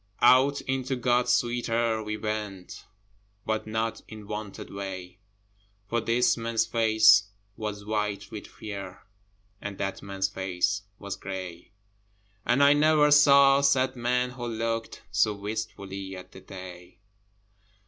Out into God's sweet air we went, But not in wonted way, For this man's face was white with fear, And that man's face was grey, And I never saw sad men who looked So wistfully at the day.